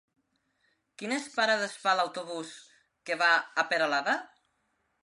Quines parades fa l'autobús que va a Peralada?